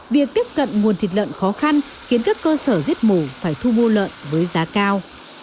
việc tiếp cận nguồn thịt lợn khó khăn khiến các cơ sở giết mổ phải thu mua lợn với giá cao